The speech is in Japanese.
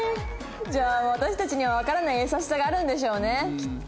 じゃあ私たちにはわからない優しさがあるんでしょうねきっと。